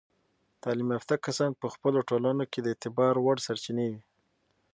تعلیم یافته کسان په خپلو ټولنو کې د اعتبار وړ سرچینې وي.